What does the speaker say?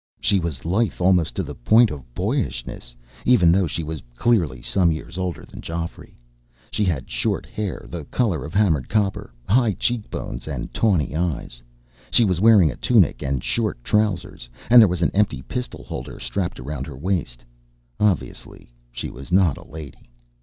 She was lithe almost to the point of boyishness, even though she was clearly some years older than Geoffrey. She had short hair the color of hammered copper, high cheekbones, and tawny eyes. She was wearing a tunic and short trousers, and there was an empty pistol holster strapped around her waist. Obviously, she was not a lady.